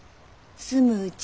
住むうち。